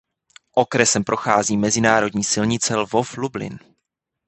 Okresem prochází mezinárodní silnice Lvov–Lublin.